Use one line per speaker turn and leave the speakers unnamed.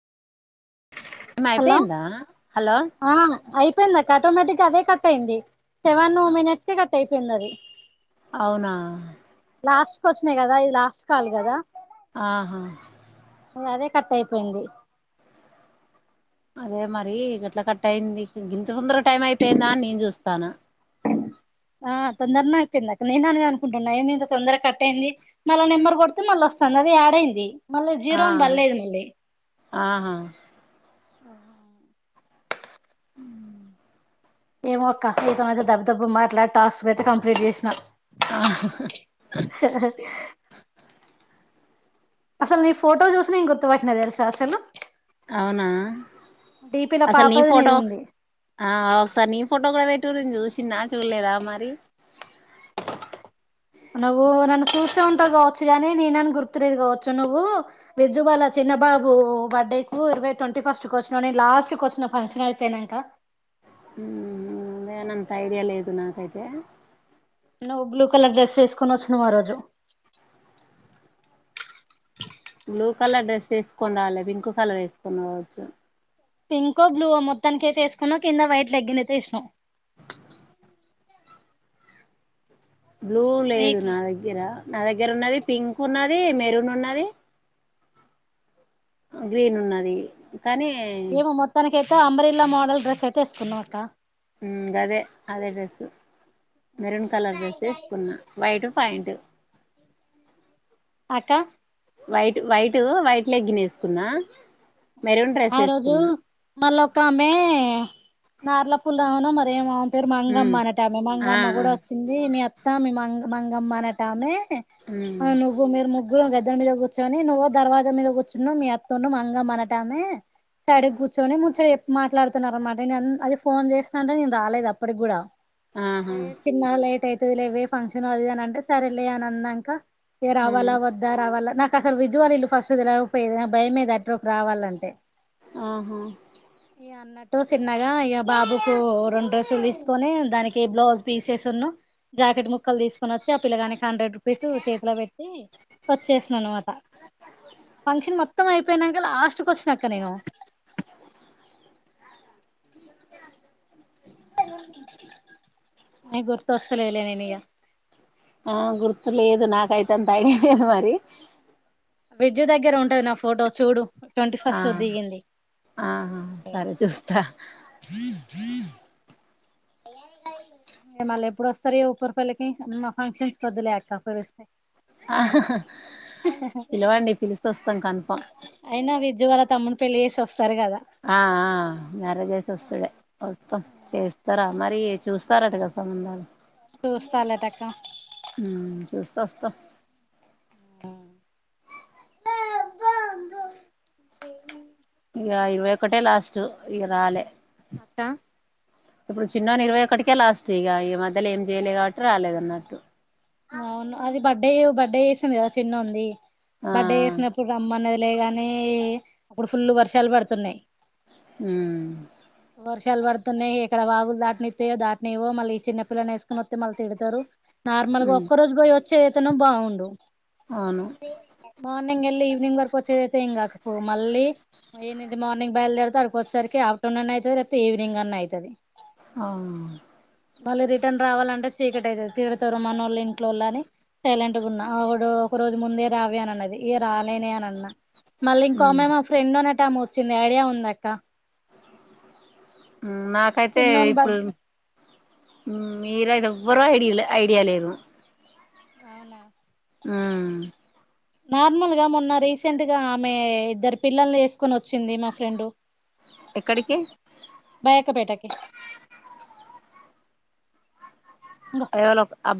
[unintelligible]
hello
అయిపోయిందా hello
ఆ అయిపోయింది ఆటోమేటిక్గా అదే కట్ అయింది సెవను మినిట్స్ కె క అయిపోయిందది
అవునా
లాస్ట్ కొచ్చినాయి కదా ఇది లాస్ట్ కాల్ కదా
ఆహా
అదే కట్ అయిపోయింది
అదే మరి గట్లా కట్ట అయింది ఇంత తొందర టైం అయిపోయిందా అని నేను చూస్తాన
ఆ తొందరనే అయిపోయింది అక్క నేను అనేది అనుకుంటున్నాయి ఇంత తొందరగా కట్ అయింది మళ్ళా నెంబర్ కొడితే మళ్ళ వస్తుంది అది యాడ్ అయింది మళ్ళీ
ఆ
జీరో అని పడలేదు మళ్లీ
ఆహా
ఆ
ఉ
ఏమో అక్క నీతోని అయితే దబ దబ మాట్లాడి టాస్క్ అయితే కంప్లీట్ చేసిన
ఆ
అసలు నీ ఫోటో చూసి నేను గుర్తుపట్టిన తెల్స అసలు
అవునా
డిపీల
అసలు నీ
పాపది
ఫోటో
నీది ఉంది
ఒకసారి నీ ఫోటో కూడా ూస నా చూలేదా మారి
నువ్వు నన్ను చూసే ఉంటావు కావచ్చు గాని నేనని గుర్తురదు కావచ్చు నువ్వు విజుబాల చిన్నబాబు బర్త్డే కు ఇరవై ట్వంటీ ఫస్ట్ క వచ్చినావు న లాస్ట్ క వచ్చిన ఫంక్షన్ అయిపోయినాక
అదేనంత ఐడియా లేదు నాకైతే
నువ్వు బ్లూ కలర్ డ్రెస్ వేసుకుొని వచ్చు నువ్ ఆ రోజు
బ్లూ కలర్ డ్రెస్ వేసుకొని రావాలి పింక్ కలర్ వేసుకొని రావచ్చు
పింకో బ్లవో మొత్తానికి అయితే వసుకున్నావు కింద వైట్ లె్న్ అయితే ఇసినాం
బ్లూ లేదు
నీకు
నా దగ్గర నా దగ్గర ఉన్నది పింక్ ఉన్నది మెరూన్ ఉన్నది గ్రీన్ ఉన్నది కానీ
అ అబరీలా మోడల్ డ్రెస్ అయితేసుకున్నాం అక్క
గదే అదే డ్రస్సు మెరూన్ కలర్ డ్రెస్ వేసుకున్నా బైట పైట్
అక్క
వైట్ వైట్ వైట్ లెగ్గిినేసుకున్నా
ఆ రోజు మళక్క ఆమె నార్ల పుల్ ఆవున మరేంవును పేరు
ఉమ్
మంగమ్మ అనట మీ
ఆ
మంగమ్మ
ఆ
కూడా వచ్చింది మీ అత్తా మీ మంగమ్ మంగమ్మన టమే
ఉమ్
ఆ నుగు మీేర్ ముగ్ గర గద్దం మీద కూర్చొని నువ్వు దవాా మీద కూర్చు మీ అత్త ను మంగా మన ంటమ చడే గుచ్చోని ముచ్చడ మాట్లాడుతున్నారన్నమాట నేను అది ఫోన్ చేస్తా అంటే నేను రాలేదు అప్పటికి కూడా
ఆహా
చిన్న లేట్ అవుతుది లేవ ఫంక్షన్ అది అన అంటే సరేలే అని అన్నాక ఏ
ఆ
రావాాల వద్ద రావాాల నా అసలు విజవాాల ఇల్లు ఫస్ట్ది లేపోయే భయమేద అడ్ర రావాలంటే
ఆహా
ఈ అన్నట్టు చిన్నగా అయ్య బాబుకు రెండు డ్రెసులు తీసుకొని దానికి బ్లౌజ్ పీసేసిన్న జాకెట్ ముక్కలు తీసుకొని వచ్చి ఆ పిల్లగానికి హండ్రెడ్ రూపీస్ చేతిలో పెట్టి వచ్చేసన్నా అనమాట ఫంక్షన్ మొత్తం అయిపోయినా అ అలాస్ట్ క్వశ్చన్ అక్క నేను న గుర్త వస్తస్తలే ఇలే నేనుగ
ఆ గుర్తులేదు నాకు రైత తాడి అద మరి
బ్రిడ్జ్ దగ్గర ఉంటుది నా ఫోటో చూడు ట్వంటీ
ఆ
ఫస్ట్ దిగింది
ఆహ సరే చూస్తా ీ
మళ్ళీ ఎప్పుడు వస్తారు ఈ ఉప్పరపల్లికి ఫంక్షన్స్ వద్దలే అక్క పరుస్తాయి
పిలవండి పిలుస్త వస్తాం కన్ఫామ్
తమను పెళ్లి చేసి వస్తా
ఆ ఆ మ్యారేజ్యితే వస్తుడే చేస్తారా మరి చూస్తారట కదా సంబంధాలు
చూస్తాలటక్క
ఉమ్ చూస్తే వస్తాం ఇక ఇరవై ఒకటే లాస్ట్ ఈగ రాలే
అత్త
ఇప్పుడు చిన్నోని ఇరవై ఒకక్కటికే లాస్ట్ ఇక ఈ మధ్యలో ఏం చేయలేదు కాబట్టి రాలేదన్నట్టు
అవును అది బర్త్ డే బర్త్డే చేసింది కదా చిన్నోంది
ఆ
బర్త్డే చేసినప్పుడు రమ్మన్నది పడుతున్నాయి
ఉమ్
వర్షాలు పడుతున్నాయి ఇక్కడ వాగులు దాటనిస్తాయో దాటనివో మళ్ళీ చిన్న పిల్లని వేసుకుని వస్తే మళ్ళీ తిడతారు నార్మల్ గా
ఉమ్
ఒక్క రోజు పోయి వచ్చేదైతేనో బాగుండు
అవును
మార్నింగ్ వెళ్ళి ఈవినింగ్ వరకు వచ్చేదైతే ఏం కాకపోవు మళ్ళీ ఏ నుంచి మార్నింగ్ బయలుదేరితే అక్కడికి వచ్చేసరికి ఆఫ్టర్నూన్ అవుతుంది లేకపోతే ఈవినింగ్ అన్న అవుతుంది
ఆ ఉమ్
మళ్ళీ రిటర్న్ రావాలంటే చీకటి అయితది తిడతారు మనోళ్ళు ఇంట్లోళ్ళు అని సైలెంట్గా ఉన్నా ఒకడు ఒక రోజు ముందే రావే అని అన్నది ఇగ రాలేనే అని అన్నా మళ్ళీ ఇంకో
ఉమ్
ఆమె మా ఫ్రెండ్ అనేటామె వచ్చింది ఐడియా ఉందా అక్క
నాకైతే
చిన్నోని బ
ఇప్పుడు మీరైతే ఎవ్వరు ఐడియా ఐడియా లేరు
అవునా
ఉమ్
నార్మల్ గా మొన్న రీసెంట్ గా ఆమె ఇద్దరు పిల్లల్ని ఏసుకొని వచ్చింది మా ఫ్రెండ్
ఎక్కడికి
బైకపేటకి ఇంక
ఎవలో అబ్బాయి